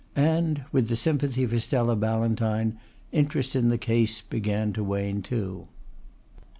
And with the sympathy for Stella Ballantyne interest in the case began to wane too.